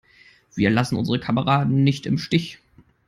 Wir lassen unsere Kameraden nicht im Stich!